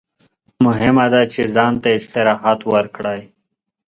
مهمه ده چې ځان ته استراحت ورکړئ.